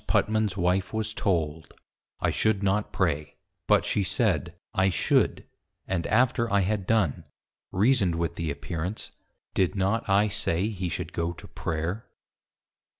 Putman's_ wife was told, I should not Pray; but she said, I should: and after I had done, reasoned with the Appearance, _Did not I say he should go to Prayer.